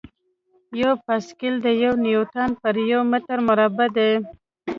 یو پاسکل د یو نیوټن پر یو متر مربع دی.